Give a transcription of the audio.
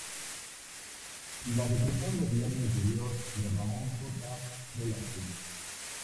La decretó el gobierno interino de Ramón J. Velásquez.